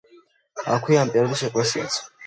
აქვეა ამ პერიოდის ეკლესიაც.